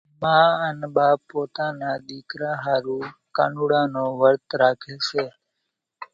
ما انين ٻاپ پوتا نا ۮيڪرا ۿارُو ڪانوڙا نون ورت رئي سي۔